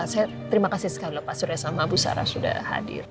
saya terima kasih sekali pak surya sama bu sarah sudah hadir